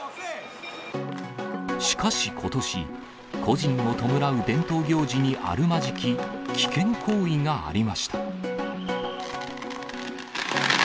しかしことし、故人を弔う伝統行事にあるまじき危険行為がありました。